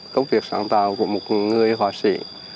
công việc sáng tạo của một người hoa sĩ